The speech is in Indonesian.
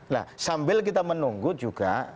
nah sambil kita menunggu juga